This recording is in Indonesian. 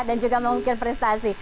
dan juga membuat prestasi